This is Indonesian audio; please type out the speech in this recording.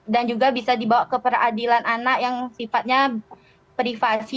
dan juga bisa dibawa ke peradilan anak yang sifatnya privasi